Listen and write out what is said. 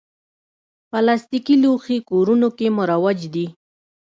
پلاستيکي لوښي کورونو کې مروج دي.